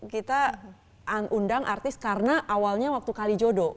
kita undang artis karena awalnya waktu kali jodoh